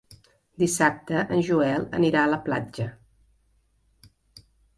Dissabte en Joel anirà a la platja.